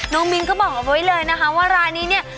มินก็บอกเอาไว้เลยนะคะว่าร้านนี้เนี่ย